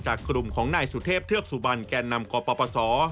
กลุ่มของนายสุเทพเทือกสุบันแก่นำกปศ